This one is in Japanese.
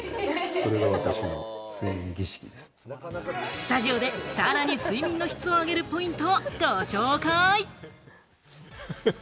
スタジオでさらに睡眠の質を上げるポイントをご紹介。